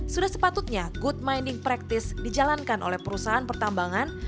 sudah sepatutnya good mining practice dijalankan oleh perusahaan pertambangan